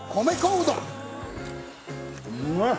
うんまい！